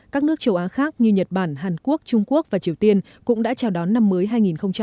các nước châu á khác như nhật bản hàn quốc trung quốc và triều tiên cũng đã chào đón năm mới hai nghìn hai mươi cách đây nhiều giờ